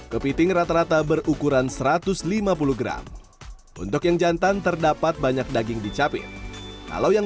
kepiting rata rata berukuran satu ratus lima puluh gram untuk yang jantan terdapat banyak daging dicapit kalau yang